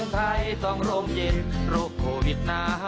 ใครต้องโรงเย็นโรคโควิด๑๙